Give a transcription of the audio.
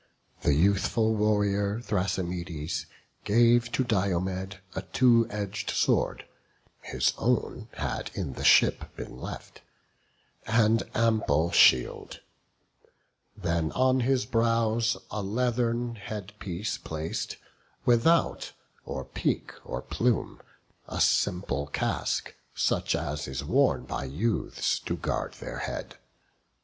The youthful warrior Thrasymedes gave To Diomed a two edg'd sword (his own Had in the ship been left) and ample shield; Then on his brows a leathern headpiece plac'd, Without or peak or plume; a simple casque, Such as is worn by youths to guard their head.